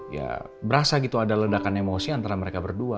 ya berasa gitu ada ledakan emosi antara mereka berdua